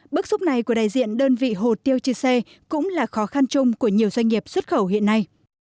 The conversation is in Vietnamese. bức xúc này của đại diện đơn vị hồ tiêu chư sê cũng là khó khăn chung của nhiều doanh nghiệp xuất khẩu hiện nay